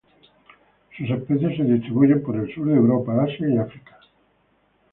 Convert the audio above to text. Sus especies se distribuyen por el sur de Europa, Asia y África.